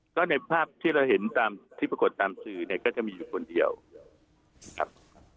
ก็ในภาพที่เราเห็นตามที่ปรากฏตามสื่อเนี่ยก็จะมีอยู่คนเดียวครับ